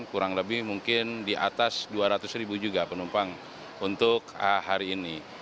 kurang lebih mungkin di atas dua ratus ribu juga penumpang untuk hari ini